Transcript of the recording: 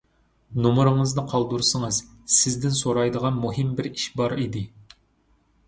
نومۇرىڭىزنى قالدۇرسىڭىز، سىزدىن سورايدىغان مۇھىم بىر ئىش بار ئىدى.